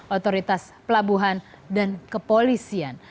otoritas pelabuhan dan kepolisian